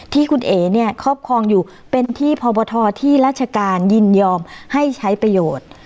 ที่คุณเอ๋เนี่ยครอบครองอยู่เป็นที่พบทที่ราชการยินยอมให้ใช้ประโยชน์